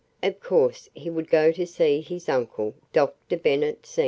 Of course he would go to see his uncle, Dr. Bennet, Sr.